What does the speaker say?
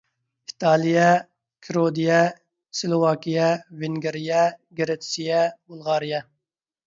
ئىتالىيە، كىرودىيە، سىلوۋاكىيە، ۋېنگىرىيە، گىرېتسىيە، بۇلغارىيە.